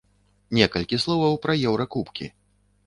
Некалькі словаў пра еўракубкі.